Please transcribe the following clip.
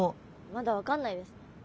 まだ分かんないです。